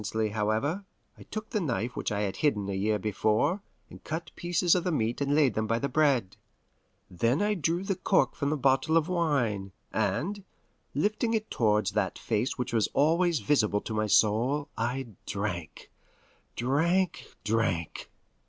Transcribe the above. Presently, however, I took the knife which I had hidden a year before, and cut pieces of the meat and laid them by the bread. Then I drew the cork from the bottle of wine, and, lifting it towards that face which was always visible to my soul, I drank drank drank!